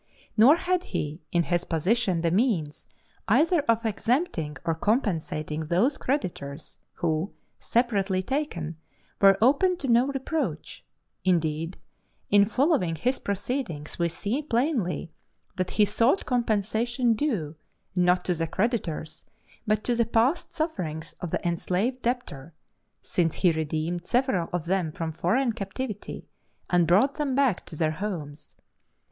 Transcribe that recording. Nor had he in his position the means either of exempting or compensating those creditors who, separately taken, were open to no reproach; indeed, in following his proceedings, we see plainly that he thought compensation due, not to the creditors, but to the past sufferings of the enslaved debtor, since he redeemed several of them from foreign captivity, and brought them back to their homes.